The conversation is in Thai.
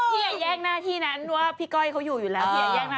พี่อย่าแย่งหน้าที่นั้นว่าพี่ก้อยเขาอยู่อยู่แล้ว